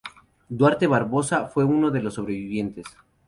Duarte Barbosa fue uno de los sobrevivientes.